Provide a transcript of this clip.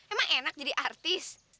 emang enak jadi artis